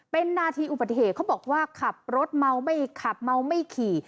เป็นนาทีอุปัติเหตุเขาบอกว่าขับรถเมาไม่ขี่